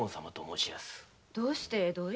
どうして江戸へ？